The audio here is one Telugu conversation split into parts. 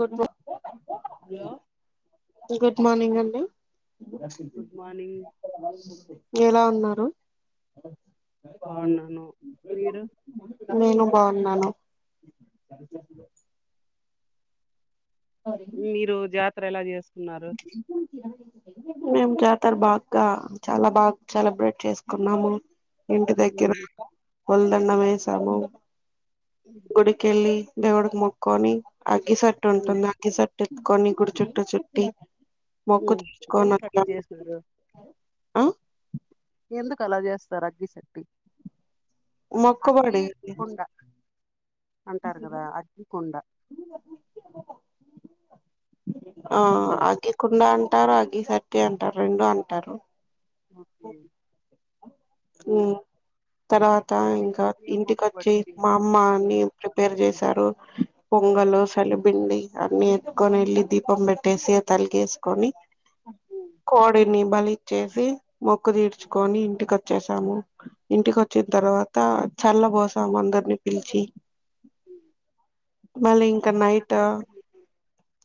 Good morning hello good morning అండి ఉమ్ గుడ్ మార్నింగ్ ఎలా ఉన్నారు ఓ బాగున్నాను మీరు నేను బావున్నాను మీరు జాత ర్ ఎలా చేస్తారు ఉన్నారు మేము జాతర బాగా చాలా బాగా సెలబ్రేట్ చేసుకున్నాము ఇంటి దగ్గర కొల్ందన్న వేసము గుడికెళ్ళి దేవుడుకి మొక్కొని అగ్గి సట్టు ఉంటుంది అగ్గి సట్ ఎత్తుకొని గుడి చుట్టూ చుట్టి మొక్కు తీర్చుకొని ఎందుకు అట్లా వచ్చాము చేసినారు ఆ ఎందుకు అలా చేస్తారు అగ్గిశెట్టి మొక్కుబడి అంటారు కదా అగ్గి కూన్ ఆ అగ్గి కుండ అంటారు అగిసర్తి అంటారు రెండు అంటారు ఓకే తర్వాత అది ఇంకా ఏం ఇంటికొచ్చి మొక్కుబడికి మా అమ్మ అన్ని ప్రిపేర్ చేశారు పొంగలు సలిపిండి అన్ని ఎత్తుకొని ఏళ్ళి దీపం పెట్టేసి తలిగేసుకొని కోడిని బలిచ్చేసి మొక్కు తీర్చుకొని ఇంటికొచ్చ వచ్చేసాము ఇంటికి వచ్చిన తర్వాత చల్లబోసాము అందరిని పిలిచి మళ్ళీ ఇంకా అట్లా నైట్ చేస్తే మీకు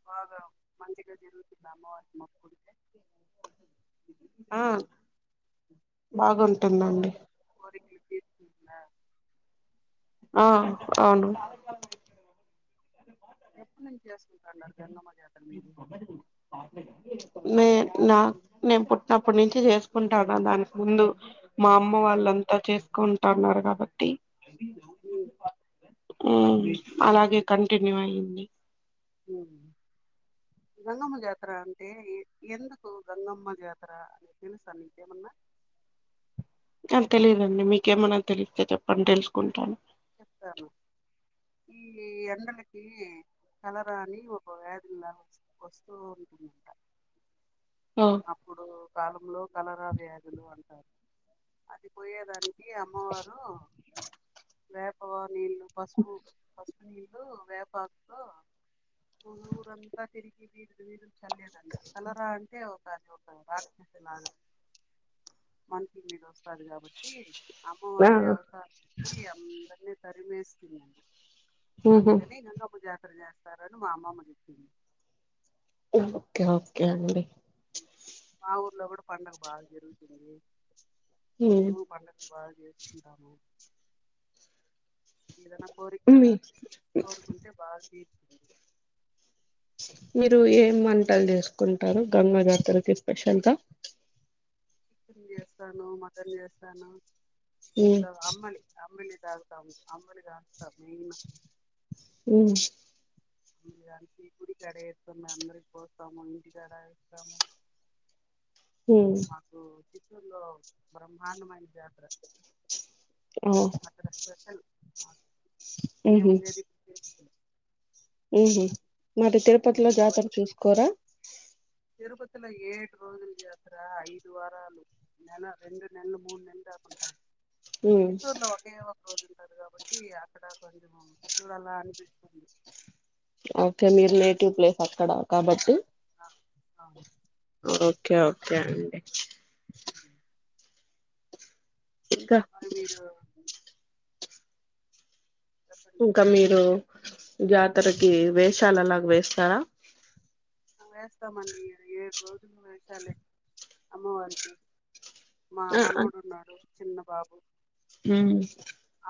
బాగా మంచిగా జరుగుతుంద అమ్మవారికి మొక్కుకుంటే ఆ కోరిన బాగుంటుందండి కోరికలు తీరుతుందా ఆ అవును ఎప్పుడు నుంచి చే లే లా నేను పుట్టినప్పటి నుంచి చేసుకుంటాను దానికి ముందు మా అమ్మ వాళ్ళంతా చేసుకుం టన్నారు కాబట్టి ఉ అలాగే కంటిన్యూ అయ్యంది గంగమ్మ జాతర అంటే ఎందుకు గంగమ్మ జాతర అని తెలుసా మీకేమన్నా ఆ తెలీదండి మీకేమన్నా తెలిస్తే చెప్పండి తెలుసుకుంటాను చెప్తాను ఈ ఎండలకి కలరా అని ఒక వ్యాధిలా వ వస్తూ ఉంటుందంట ఆ అప్పుడు కాలంలో కలరా వ్యాధులు అంటారు అదిపోయేదాని ఏ అమ్మ వారు వేప నీళ్లు పసుపు పసుపు నీళ్లు వేపతో ఊరంతా తిరిగి వీది వీది చల్లారు కలరా అంటే ది [inaudible] ఒక రాక్షసు లాగా మనిష మీద వస్తారు కాబట్టి అమ్మ అరే అవు అందరిని పరిమేస్థిమి ఉహు అందుకనే గంగా పూజాయాత్ర చెస్ వస్తారని మా అమ్మ అమ్మ చెపింది ఓకే ఓకే అండి మా ఊర్లో కూడా పండగ బాగా జరుగుతుంది హ్మ్ బాచేసుకుంటాం ఏదనా కోరిక మీ కోరుకుంటే బాగా తీరుతుంది మీరు ఏం వంటలు చేసుకుంటారు గంగా జాతరకి స్పెషల్గా చికెన్ చేస్తాను మటన్ చేస్తాను ఉమ్ ఇంట్లో అమ్మలి అమ్మలి తాగుతాము అమ్మలుగాస్తమీ హ్మ్ గుడి కడ [unintelligible] అందరికి పోస్తాము ఇంటికడ ఇస్తాము ఉమ్ నాకు ఉర్లో బ్రహ్మాండమైన జాతర అక్కడ స్పెషల్ హ్మ్ మేము హు ఉండేది ఇప్పుడు తిరుపతిలో హ్మ్ హు మరి తిరుపతిలో జాతర కాబట్టి చూసుకోరా తిరుపతిలో ఏడు రోజులు జాతర ఐదు వారాలు నెల రెండు నెలలు మూడు నెలలు దాకుంటాయి ఉమ్ చీతూర్ లో ఓకే ఒక రోజు ఉంటారు కాబట్టి అక్కడ కొంచెం చూడాల అనిపిస్తుంది ఓకే మీరు నేటివ్ ప్లేస్ అక్కడ కాబట్టి ఆ, అవును ఓకే ఓకే అండి ఇంకా మరి మీరు చెప్పండి ఇంకా మీరు జాతరకి వేషాలు అలాగ వేస్తారా వేస్తామండి ఏడు రోజులు వేసాలి అమ్మవారికి మా మనవడు ఉన్నాడు చిన్న బాబు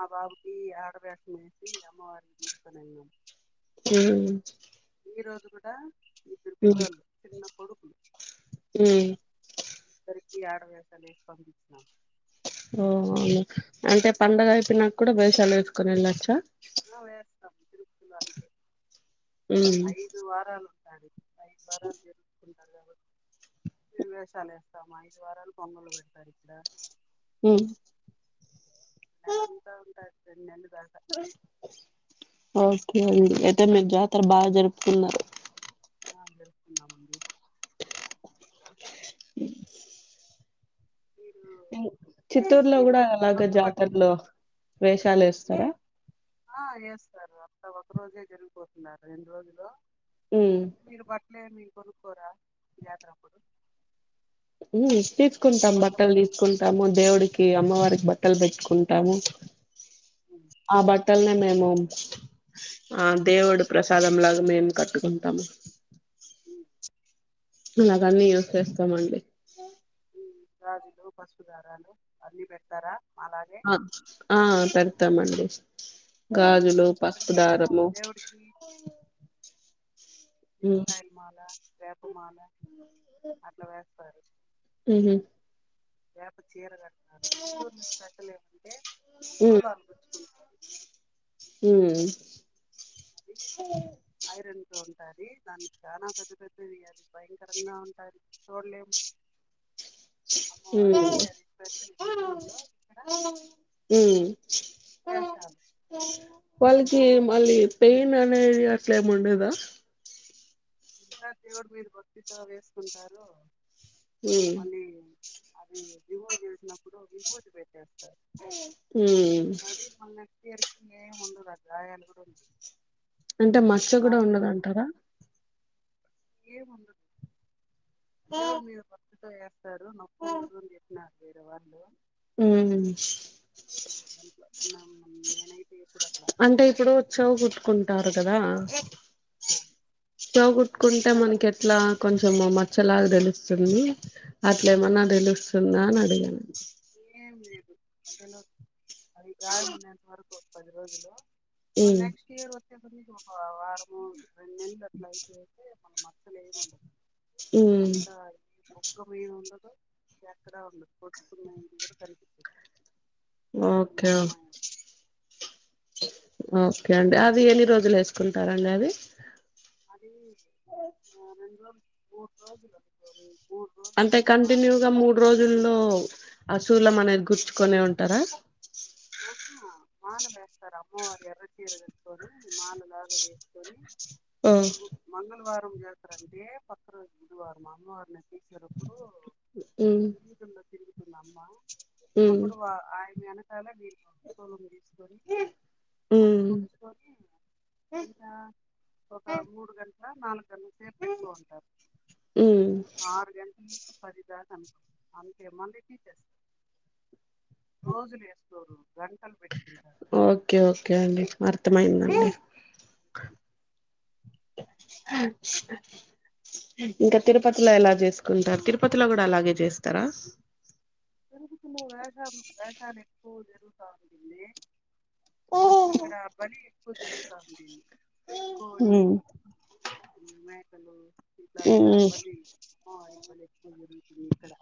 ఆ బాబుకి ఆడవేషం వేసి అమ్మవారిని తీస్కోనెళ్ళినాం మ్ ఈ రోజు కూడా ఇద్దురు పిల్లోల్లు చిన్న కొడుకులు మ్ [unintelligible] ఆడ వేషాలేసి పంపిచ్చినాం ఓ అవును అంటే పండుగ అయిపోయినాక కూడా వేషాలు వేసుకొని వెళ్ళచ్చా [inaudible] ఐదు వారాలు అది [inaudible] మేము వేషాలేస్తాము ఐదు వారాలు పొంగల్లు పెడతారిక్కడ మ్ నెలంతా [inaudible] ఓకే అండి అయితే మీరు జాతర బాగా జరుపుకున్నారు ఆ జరుపుకున్నామండి మీరు చిత్తూరులో మీరు కూడా అలాగ కొత్త బట్టలు జాతరలో వేషాలేస్తారా ఆ చేస్తారు అక్కడ ఒక రోజే జరిగిపోతుంది రెండు రోజులు ఉమ్ మీరు బట్టలే మీ కొనుక్కోరా జాతరప్పుడు మ్ తీస్ కుంటాం బట్టలు తీసుకుంటాము దేవుడికి టి అమ్మవారికి బట్టలు పెట్టుకుంటాము ఉమ్, ఆ బట్టల్ నే నే మేము ఆ దేవుడు ప్రసాదం లాగా మేము కట్టుకుంటాము ఉమ్, నాకన్నీ యూజ్ చేస్తామండి ఉమ్, గాజులు పసుపుదారాలు అన్ని పెడ్తారా ఆ ఆ పెడతామండి ఉమ్, గాజులు ఇక్కడ మేము పప్పుదారము దేవుడికి నిమ్ముకాయలు మాలా వేపమాల అట్లా పెడతారు ఉహు ఏ చీర కడతారు స్పెషల్ ఏమంటే సూలాలు కుచ్చుగుంటారు ఉమ్ ఉంటాది చాలా పెద్ద పెద్దవి అది భయంకరంగా ఉంటంది చూడలేము. హ్మ్ అమ్మవారికి అది స్పెషల్ చిత్తూరులో ఇక్కడ హ్మ్ వేషాలు వాళ్ళకి మళ్ళీ పెయిన్ అనేది అట్లా ఏమ్ ఉండదా ఇంకా దేవుడు మీద భక్తితో వేసుకుంటారు ఉమ్ మళ్ళీ అది రిమూ చేసినప్పుడు విబూది పెట్టేస్తారు. ఉమ్ ఇరిటేటింగ్ ఏం ఉండదు అక్క గాయాలు కూడ ఉండవు. అంటే మచ్చ కూడా బాగా క్లియర్ ఉండదంటారా ఏం ఉండదు. ఎ ఊరు మీ బ సరే సార్లు నొప్పు ఉండదని చెప్పినారు. వేరే వాళ్ళు ఉమ్ దాంట్లో నమ్- నేనైతే ఎప్పుడు అట్లా అంటే చేయలేదు ఇప్పుడు చవు కుట్టుకుంటారు కదా ఆ, చెవు కుట్టుకుంటే మనకి ఎట్లా కొంచెం మ చ్చలాగా తెలుస్తుంది అట్లే ఏమన్నా తెలుస్తుందా అని అడిగాను. ఏమ్ లేదు చాలో అది గాయం వున్నంత వరకు పది రోజులు వాడ్ ఉమ్ నెక్స్ట్ ఇయర్ వచ్చెతే ఓ వారమ అట్లా అయితే అయితే మ మచ్చలు ఏమ్ ఉండవు. ఉమ్ అంతాది మీద్ ఉండదు ఎక్కడా ఉండదు. నేను కూడా కనిపి ఆ ఓకేఓకే అండి అది ఎన్ని రోజులు వేసుకుంటారండి అది అది ఆ, రెండు రోజులు మూడు రోజులు మూడు అంటే రోజులు కంటిన్యూగా మాలేస్తారు మూడు రోజుల్లో అసూలం అనేది గుచు కొనే ఉంటరా మాల వేస్తారు అమ్మవారి ఎర్ర చీర కట్టుకొని మాలలాగా వేసుకొని ఆ మంగళవారం జాతర అంటే పక్క రోజు బుధవారం అమామ్మవారిని ఉమ్ వీధుల్లో తిరుగుతుంది అమ్మ ఉమ్ అప్పుడు వా ఆయన అలాగే సూలం గుచ్ అది ఉమ్ దోచుకొని ఎంత ఒక మూడు గంట లేదా నాలు ఉమ్ పదిదా అనుకో అంతే మళ్లీ తీసేస్తారు రోజులులేసుకోరూ గరి ఓకే ఓకే అండి అర్థమైందండి ఇంకా తిరుపతిలో ఎలా చేసుకుంటారు తిరుపతిలో కూడా అలాగే చేస్తారా తిరుపతిలో వేషాలు వేషాలు ఎక్కువ జరుగుతా ఉంటుంది ఇక్కడ బలి ఎక్కువ జరుగుతా ఉంటుంది ఇంకోది ఉమ్ ఈ మేకలు ఇలా ఉమ్ అంతా బలి అ భలే జరు ఇక్కడ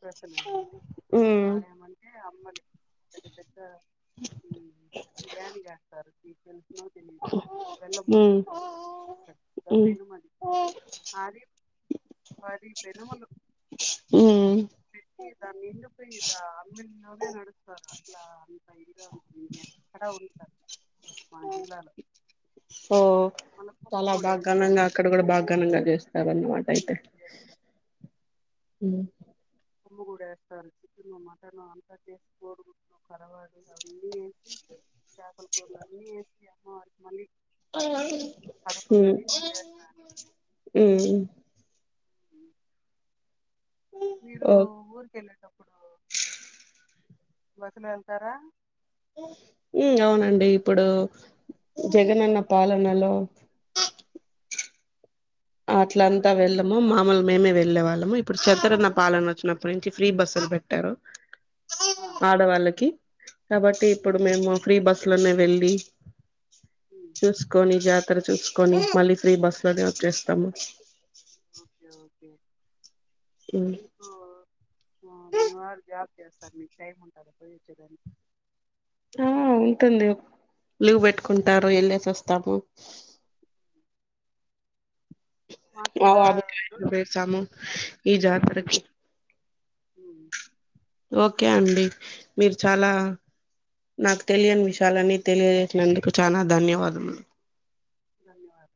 ప్రస [unintelligible] ఉమ్ ఆడేమంటే అమ్మది పెద్ద పెద్ద ఈ గాని గాస్తారు ఉమ్ చేస్తారు పెద్ద ఉ పెనుమది అది పది పెనుములు ఉమ్ పెట్టి దానిమీద పోయి దా [unintelligible] లోనే నడుస్తారు అట్లా అంత ఇదిగా ఉంటుంది ఎక్కడ ఉండదు అట్లా మన జిల్లాలో ఓ మళ్ళీ కొమ్మ చాలా కూడా బాగ ఘనంగా వేస్తారు అక్కడ కూడా బాగ ఘనంగా చేస్తారు అన్నమాట ఉమ్, అయితే వేస్తారు హుమ్ ఉప్పు కూడా వేస్తారు చికెను మటన్ అంత చేసి కోడుగుడ్డు తరువాత అన్నీ వేసి చేపల కూరలు అన్నీ వేసి అ మళ్ళి హు వేస్తారు ఉమ్ మీరు ఓ ఊరికెళ్ళేట బస్సులో వెళ్తారా అవునండి ఇప్పుడు జగనన్న పాలనలో అట్ల ఇప్పుడు అంతా జగనన్న వెళ్ళము పాలన మామూలు మేమే లేదు వెళ్ళే వాళ్ళము ఇప్పుడు చతరన్న పాలన వచ్చినప్పుటి నుం ఫ్రీ బస్సులు పెట్టారు ఆ, ఆడవాళ్ళకి కాబట్టి ఉమ్, ఇప్పుడు మేము ఫ్రీ బస్సు లోనే వెళ్ళి ఉమ్, చూసుకొని జాతర చూసుకొని మళ్ళీ ఫ్రీ బస్ లోనే వచ్చేస్ తమ ఓకే ఓకే మీకు మీవార్ జార్ చేస్తారు మీకు టైమ్ ఉంటాదా పోయి వచ్చేదానికి ఆ ఉంటుంది లీవ్ పెట్టుకుంటారు వెళ్ళేసి వస్తాము మాకు ఇక్కడ అవు అబ డ్యూటీ సామ ఉన్నాను ఇజతఓకే ఉమ్, ఉమ్, ఓకే అండి మీరు చాలా నాకు తెలియని విషయాలని తెలియజేసినందుకు చాలా ధన్యవాదములు ధన్యవాదం